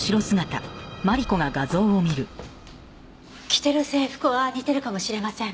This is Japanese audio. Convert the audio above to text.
着てる制服は似てるかもしれません。